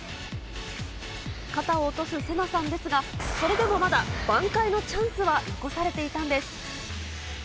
肩を落とすセナさんですが、それでもまだ挽回のチャンスは残されていたんです。